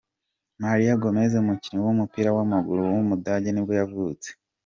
Mario Gómez, umukinnyi w’umupira w’amaguru w’umudage nibwo yavutse.